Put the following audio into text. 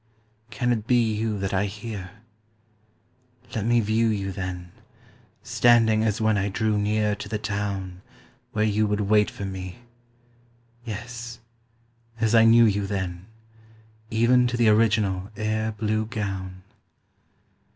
Can it be you that I hear? Let me view you, then, Standing as when I drew near to the town Where you would wait for me: yes, as I knew you then, Even to the original air blue gown!